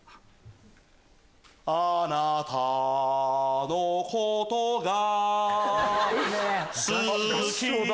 あなたのことが合唱だ！